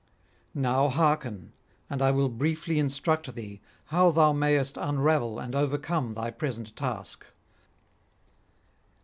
Now hearken, and I will briefly instruct thee how thou mayest unravel and overcome thy present task.